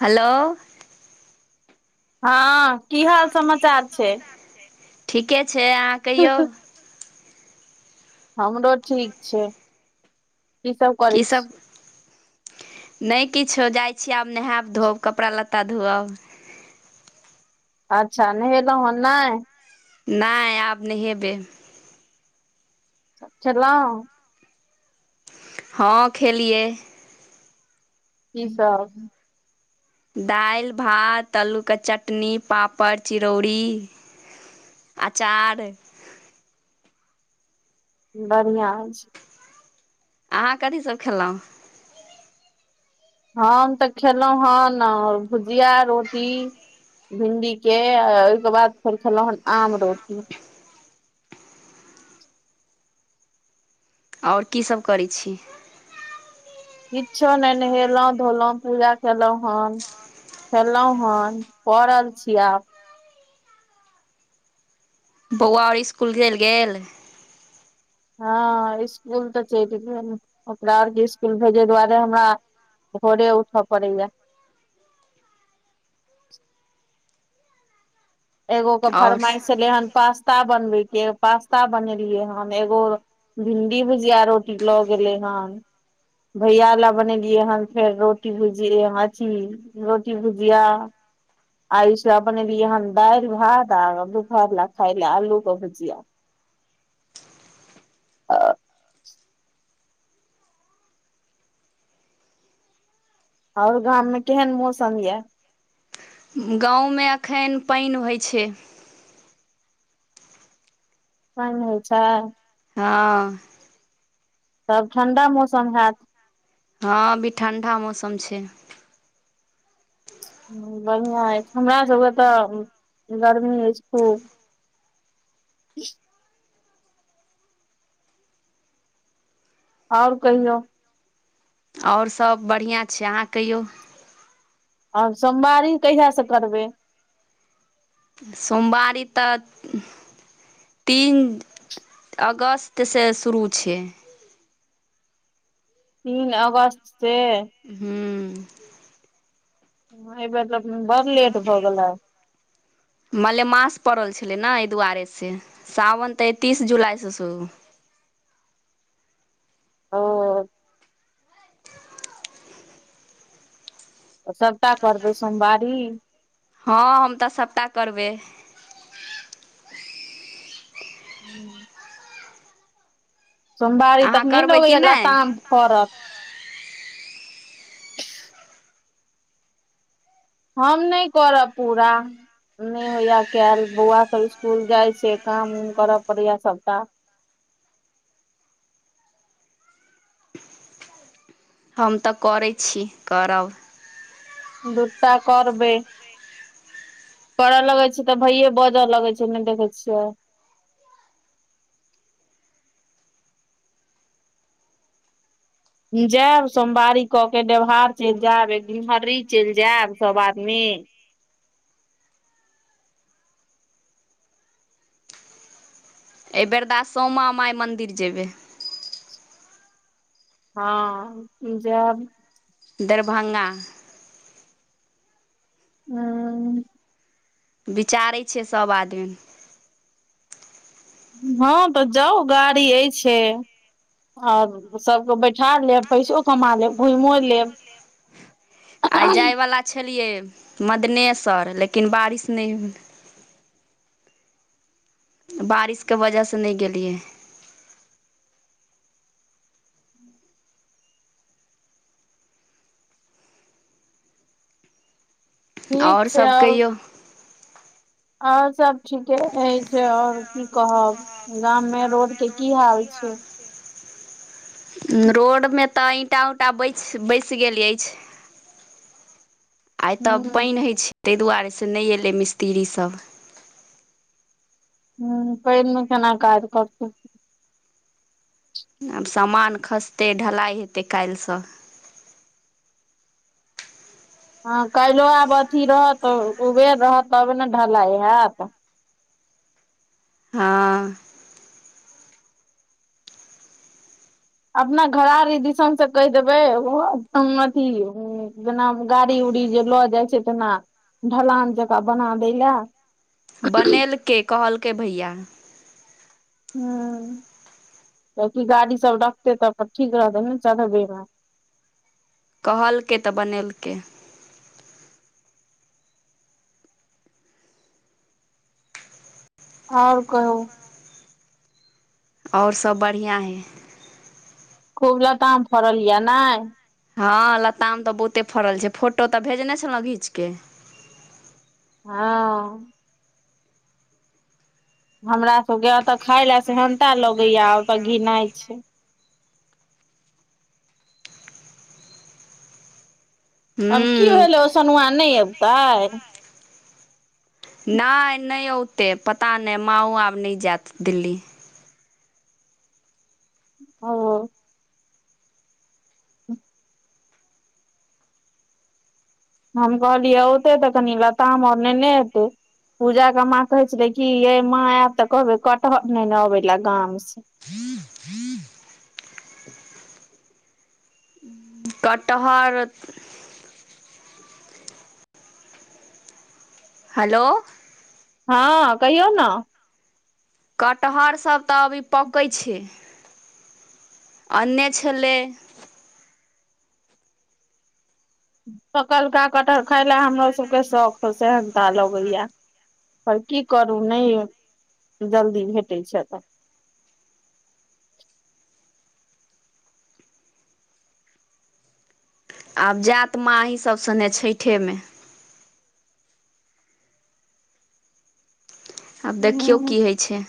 Hello. ह, कि हाल समाचार छै ठीके छै अहा कहियौ हमरो ठीक छै। की सब करै कि सभ छी नहि किछो जाइ छियै आब नहायब धोअब कपड़ा लत्ता धोअब। अच्छा नहेलौ हन नहि। नहि आब नहेबै। खेलौ। ह, खेलियै कि सभ। दालि भात आलूके चटनी पापड़ चिरौड़ी अचार। बढ़िया अछि। अहाँ कथी सभ खेलहुँ? हम तऽ खेलहुॅं हन भुजिया रोटी। भिडी के आ ओहिके बाद फेर खेलहुँ हन आम रोटी। और कि सभ करै छै किछो नहि नहेलहुँ धोलहुँ पूजा केलहूँ हन खेलहुँ हन परल छै आब बौआ आर स्कूल चल गेल हँ स्कूल तऽ चल गेल ओकरा आर स्कूल भेजे दुआरे हमरा भोरे उठ पड़ेया। एगो के आओर फरमाइश एलै हन पास्ता बन बैके पास्ता बनेलियै हन एगो। भिडी भुजिया रोटी लऽ गेले हन भैया ला बनेलियै हन फेर रोटी भुजिये मछि। रोटी भुजिया। आयुस लै बनेलियै हन दाल भात आ दुपहर लऽ खाय ले आलू के भुजिया आ। और गाम मे केहन मौसम यै गावमे एखन पाईन होइ छै। पानि होइ छै। ह। तब ठंडा मौसम हैयत ह, अभी ठंडा मौसम छै ह बढ़िआ ऐछ हमरा सभके तऽ गर्मी ऐछ खूब और कहियौ? और सभ बढ़िआ छै अहाँ कहियौ आब सोमवारी कहिया से करबै? सोमवारी तऽ तीन अगस्तसँ शुरू छैय। तीन अगस्त से हूं [unintelligible] मतलब बड़ लेट भऽ गेलै। मलेमास पड़ल छलै न एहि दुआरे से सावन तऽ तीस जुलाइसँ शुरु। ओ सभटा करबै सोमवारी। हँ हम तऽ सभटा करबै। हूँ सोमवारी अहाँ तक त नहि करबै कि लगैया नहि लताम फरत। हम नहि करब पूरा। नहि होइया कैल बौआ सब स्कुल जाइ छैय काम उम कर पड़ैया सभटा। हम तऽ करै छी करब। दूटा करबै। करऽ लगैत छी तऽ भैय बाजऽ लगै छैय नहि देखै छियै। जैब सोमवारी क के देवहार चल जैब एक घिनहर्ररी चल जैब सब आदमी। एहि बेरदा स्यामा माइ मन्दिर जेबै। हँ जैब। दरभंगा हूं विचारै छियै सभ आदमी। हँ तऽ जाउ गाड़ी अईछे। और सबके बैठा लेब पैसो कमा लेब घुयिमो लेब। आइ जायवला छलियै मदनेसर लेकिन बारिश नहि बारिशके वजहसँ नहि गेलियै। ठीक और सब कहियौ। और सब ठीके अछि, और की कहब? गाममे रोडके की हाल छैय? रोडमे तऽ ईंटा ऊँटा बैच बैस गेल अछि। आइ तऽ हूं पाईन होइ छैय तय दुआरे से नय एलै मिस्त्री सभ। हूं पैनमे केना काज करतै। आब सामान खसतै ढलाइ हेतै काल्हिसँ। हँ काल्हि आब अथी रहत उबेर रहत तब ने ढलाइ हैत। हँ अपना घरारी दिसनसे कहि देबै अथी जेना गाड़ी उड़ी जे लऽ जाइ छैय तेना ढलान जकाँ बना दै ला। बनेलकै कहलकै भैया। हूं गाड़ी सब रखते तब त ठीक रहतै ने चढ़बेमे। कहलकै तऽ बनेलकै। आओर कहु। आओर सभ बढ़िआँ हइ। खूब लताम फरल यै नय? हँ लताम तऽ बहुते फड़ल छैय फोटो तऽ भेजने छलौ घिचके। हँ हमरा सबके एतऽ खााय लए सेहन्ता लगैया ओतऽ घिनाइ छै आब की हूँ भेलै ओ सनुआ नय अबतै नहि नहि ओते पता नहि माँओ आब नहि जायत दिल्ली ओ ह्म [unintelligible] हम कहलियै औते तऽ कनि लताम आओर नेने ऐतै पूजा कऽ माँ कहे छले की ये माँ ऐत तऽ कहबे कटहर नहि ने अबे ला गाम सऽ कटहर हेलो हँ कहियौ नऽ कटहर सब तऽ अभी पकै छै अन्ने छलैय पकलका कटहर खाय ल हमरो सबके शौख सहनता लगैया आओर की करू नहि जल्दी भेटै छै अतऽ आब जाति माँ आहि सभ सँने छठेमे आब देखियौ ह की होइ छै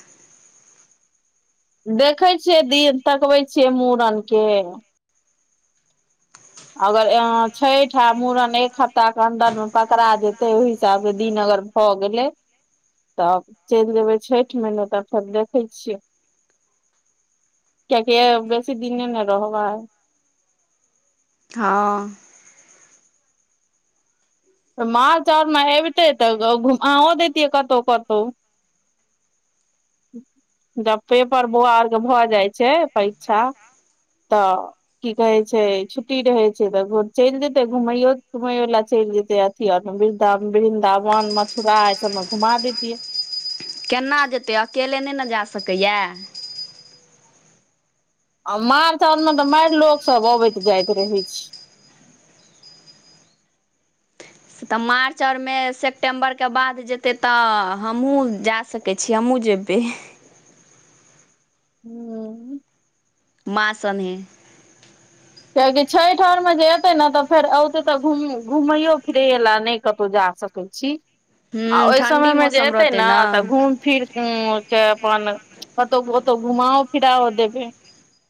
देखै छियै दिन तकबै छियै मुड़न के अगर छठि आ मूड़न एक हफ्ताक के अन्दरमे पकड़ा जेतै ओहि हिसाबसँ दिन अगर हो गेलै तब चलि जेबै छठि मे नहि तब फेर देखै छियै कियाकि ऐबेर बेसी दिने ने नऽ रहबाय हँ मार्च आओरमे एबतै तऽ अ दैतियै कतहु कतहु जब पेपर बौआर के भऽ जाइ छै परीक्षा तऽ की कहे छै छुट्टी रहै छै तऽ चलि जेतै घुमैयो तुमैयो लऽ चलि जेतै से अथी अर मे वृन्दावन मथुरा ई सब मे घुमा देतिय केना जेतै अकेले नहि नऽ जा सकैया आ मार्च अर मे तऽ मारि लोक सब अबैत जाइत रहै छै से तऽ मार्च आओर मे सेप्टेम्बरके बाद जेतै तऽ हमहूँ जा सकै छी हमहुँ जेबै हू माँ सने छठि आओर मे जे एते ने तऽ फेर औते तऽ घुमैयो फिरै लए नहि कतहु जा सकतै छी आ ह्म्म ओहि ठण्ढी समय मे जे मौसम एतै रहतै ने नऽ तऽ घुम फिर के अपन कतहु ओतहु घुमाओ फिराओ देबै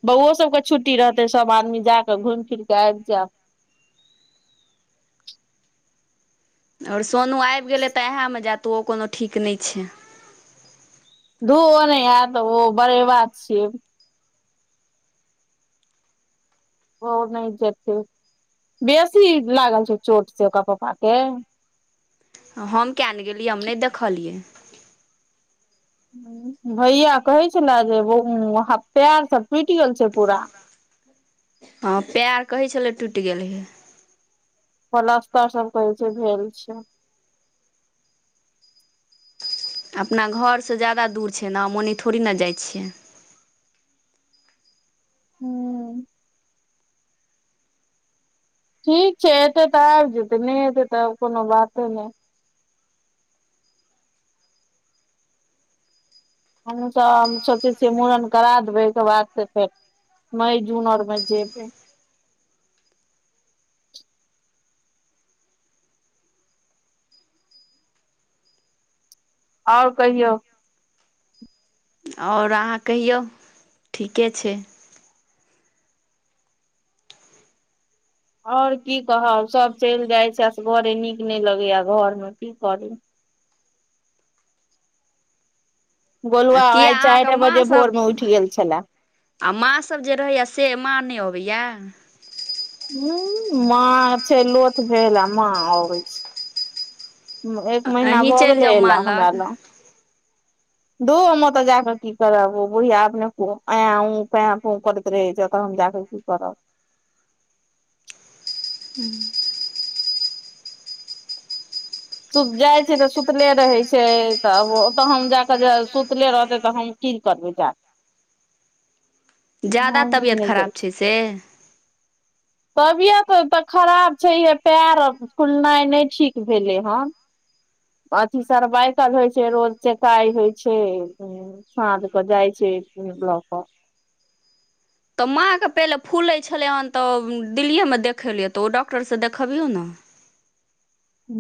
बौओ सभके छुट्टी रहतै सभ आदमी जा कऽ घुमि फिर कऽ आबि जायब आओर सोनू आबि गेलै तऽ उएहमे जायत ओ कोनो ठीक नहि छै धू ओ नहि ऐत ओ बड़े बात छियै ओ नहि जेते बेसी लागल छै चोट से ओकर पप्पा के हम किया नहि गेलियै हम नहि देखलियै भैया कहै छले जे पैर सब टुटि गेल छै पूरा हँ पैर कहै छलै टुटि गेल हेय पलस्तर सब कहै छै भेल छै अपना घरसँ ज्यादा दूर छै न हम ओनी थोड़ी नऽ जाई छियै हूँ। ठीक छै एतै तऽ आबि जेतै नहि एतै तब कोनो बाते नहि हामू सभ सोचै छियै मूड़न करा देबै ओहिके बाद से फेर मई जून आओर मे जेबे आओर कहियौ। आओर अहाँ कहियौ ठीके छै। आओर कि कहब सभ चलि जाइ छै घरे नीक नहि लगैय घरमे कि करते आ गोलुआ किया आइ अहाँके चारे बजे माँसभ भोरमे उठि गेल छले। आ माँसभ जे रहैएा से माँ नहि अबैए। ह्म माँ छै लोथ भेल आ माँ आबै छै। एक महीना अहीँ भऽ चलि गेलै जाउ माँ अयला हमरा लग। दो मतऽ जाक की करब बुढीया अपने कू आ उ करैत रहै त जा कि करब हूँ सुत जाई छै तऽ सुतले रहै छै तब ओतऽ हम जाकऽ जे सुतले रहतै तऽ हम कि करबै जाक जादा तबियत खराब छै सँ तबियत तऽ खराब छैहे पैर फुलनाई नहि ठीक भेले। ह, अथी सरवाइकल होइ छै रोज चेकाइ होइ छै साझक जाइ छै ब्लक तऽ माँ के पहिले फूलैत छलै हन तऽ दिल्लिएमे देखै लियए तऽ ओ डॉक्टरसँ देखबियौ ना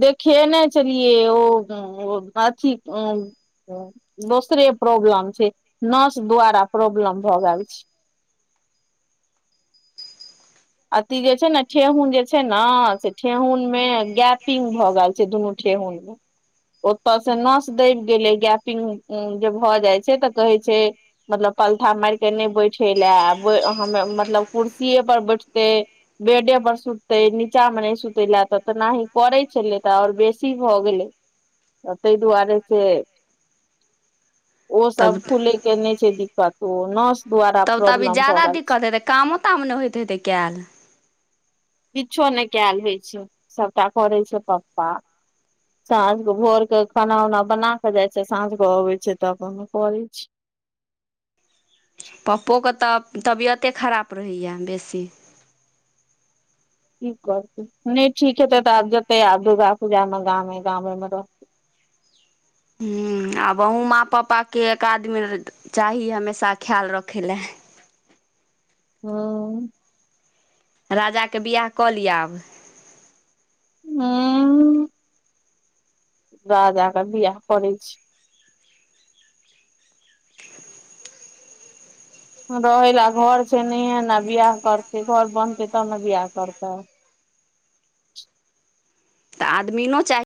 देखे ने छलियए ओ अथी औ दोसरे प्रॉब्लम छै नर्स द्वारा प्रॉब्लम भऽ गेल छै [inaudible] अथी जे छै ने ठेहुन जे छै ने से ठेहुनमे गेश भऽ गेल छै दुनू ठेहुन मे ओतय से नस दबि गेलै गैपिग जे भऽ जाई छै तऽ कहै छै। मतलब पलथा मारि कऽ नहि बैठे लए आ मतलब कुर्सीए पर बैठतै बेडे पर सुतै नीचा मे नहि सुतैले त तऽ नहि पड़ै छलै तऽ आओर बेसी भऽ गेलै ताहि दुआरे सँ ओ सभ तब फुले के नहि छै दिक्कत ओ नस द्वारा तब तऽ अभी प्रॉब्लम भऽ जादा गेल छै दिक्कत हेतै कमो ताम नहि होइत हेतै कयल किछो नहि कयलऽ होइ छै सभटा करै छै पप्पा सँझ के भोर के खाना उना बना के जाय छै सँझ के अबे छै तऽ अपन करे छी पप्पो के तऽ तबियते खराब रहैय बेसी कि करतै नहि ठीक हेतै तऽ आब जेतै आब दुर्गा पूजा मे गामे गामेमे रहतै हू आब अहुँ माँ पप्पा के एक आदमी चाही हमेशा ख्याल रखै लए हू राजा के वियाह कऽ लिआ आब हू राजा वियाह करै छी रहै लऽ घर छै नहि ने बियाह करतै घर बनतै तब ने बियाह करतै तऽ आदमी ने चाही